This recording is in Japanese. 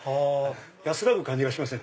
安らぐ感じがします